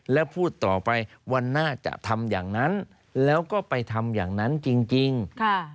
แล้วพูดต่อไปวันหน้าจะทำอย่างนั้นแล้วก็ไปทำอย่างนั้นจริง